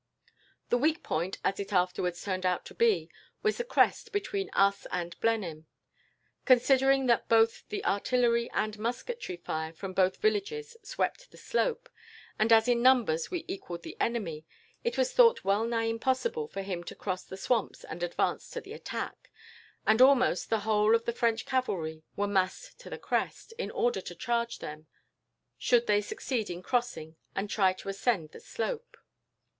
"The weak point, as it afterwards turned out to be, was the crest between us and Blenheim. Considering that both the artillery and musketry fire from both villages swept the slope, and as in numbers we equalled the enemy, it was thought well nigh impossible for him to cross the swamps and advance to the attack; and almost the whole of the French cavalry were massed on the crest, in order to charge them, should they succeed in crossing and try to ascend the slope.